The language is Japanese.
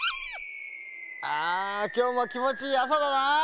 ああきょうもきもちいいあさだな。